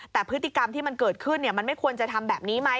แต่พฤติกรรมที่มันเกิดขึ้นมันไม่ควรจะทำแบบนี้ไหม